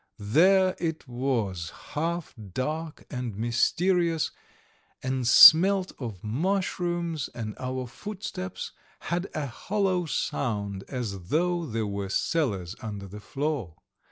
There it was half dark and mysterious, and smelt of mushrooms, and our footsteps had a hollow sound as though there were cellars under the floor.